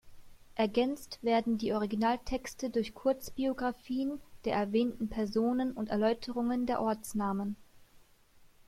Ergänzt werden die Originaltexte durch Kurzbiographien der erwähnten Personen und Erläuterungen der Ortsnamen.